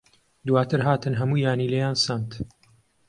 دواتر هاتن هەموویانی لێیان سەند.